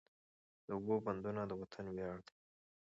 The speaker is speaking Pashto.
د اوبو بندونه د وطن ویاړ دی.